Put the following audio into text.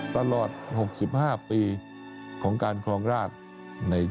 ตลอด๖๕ปีของการครองราช